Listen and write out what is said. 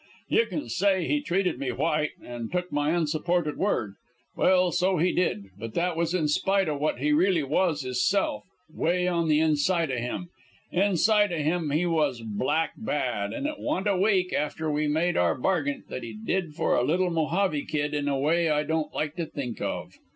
"You can say he treated me white, an' took my unsupported word. Well, so he did; but that was in spite o' what he really was hisself, 'way on the inside o' him. Inside o' him he was black bad, an' it wa'n't a week after we had made our bargint that he did for a little Mojave kid in a way I don't like to think of.